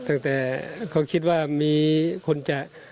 ตั้งแต่เขาคิดว่ามีคนจะ